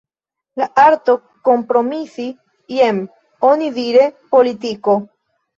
La arto kompromisi: jen – onidire – politiko.